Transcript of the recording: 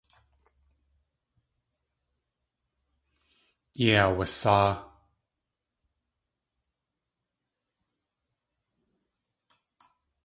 Yéi aawasáa.